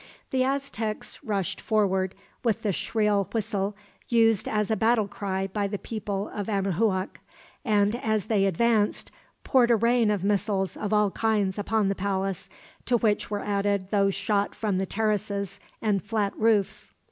The Aztecs rushed forward, with the shrill whistle used as a battle cry by the people of Anahuac; and, as they advanced, poured a rain of missiles of all kinds upon the palace, to which were added those shot from the terraces and flat roofs.